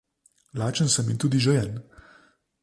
Lačen sem in tudi žejen.